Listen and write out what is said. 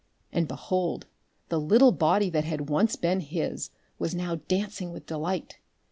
And behold! the little body that had once been his was now dancing with delight.